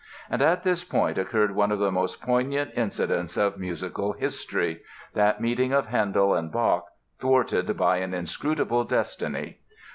And at this point occurred one of the most poignant incidents of musical history—that meeting of Handel and Bach, thwarted by an inscrutable destiny.